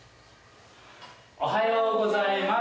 おはようございます。